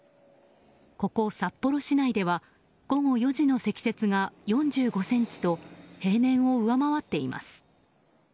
ここ札幌市内では午後４時の積雪が４５ｃｍと平年を上回っています。